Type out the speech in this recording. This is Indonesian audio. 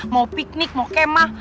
mau piknik mau kemah